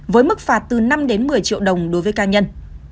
với mức phạt từ năm đến một mươi triệu đồng đối với cá nhân